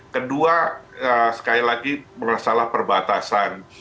kedua sekali lagi masalah perbatasan